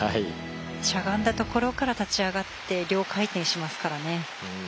しゃがんだところから立ち上がって両回転しますから。